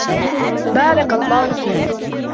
بارك الله فيك.